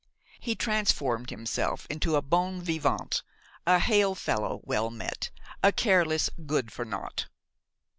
He transformed himself into a bon vivant, a "hail fellow well met," a careless good for naught.